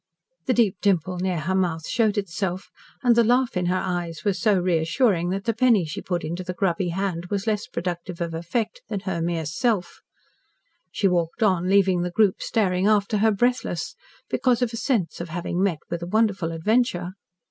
The deep dimple near her mouth showed itself, and the laugh in her eyes was so reassuring that the penny she put into the grubby hand was less productive of effect than her mere self. She walked on, leaving the group staring after her breathless, because of a sense of having met with a wonderful adventure.